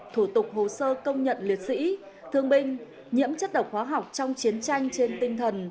thủ tục hồ sơ công nhận liệt sĩ thương binh nhiễm chất độc hóa học trong chiến tranh trên tinh thần